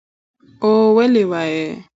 او ولې وايى